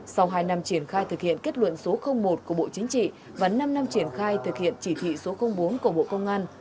sau hai năm triển khai thực hiện kết luận số một của bộ chính trị và năm năm triển khai thực hiện chỉ thị số bốn của bộ công an